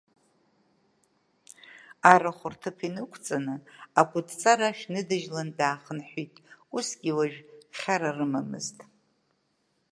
Арахә рҭыԥ инықәҵаны, акәытҵара ашә ныджьыланы даахынҳәит, усгьы уажә хьара рымамызт.